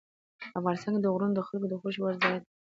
افغانستان کې غرونه د خلکو د خوښې وړ ځای دی.